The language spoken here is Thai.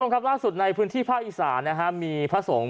เจ้าท่องรักร่ักสุดในพืนทีพ่าอีสานนะฮะมีพ่าส่ง